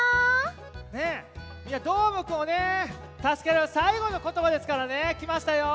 みんなどーもくんをたすけるさいごのことばですからねきましたよ。